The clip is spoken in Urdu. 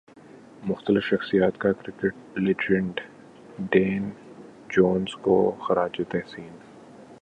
مختلف شخصیات کا کرکٹ لیجنڈ ڈین جونز کو خراج تحسین